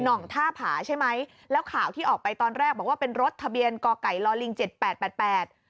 ่องท่าผาใช่ไหมแล้วข่าวที่ออกไปตอนแรกบอกว่าเป็นรถทะเบียนก่อไก่ลอลิงเจ็ดแปดแปดแปด